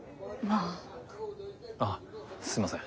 あっすいません。